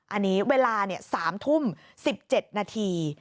อันนี้เวลา๓ทุ่ม๑๗นาที